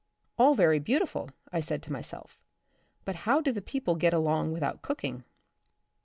All very beautiful, I said to myself, but how do the people get along without cooking